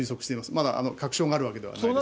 まだ確証があるわけではないですが。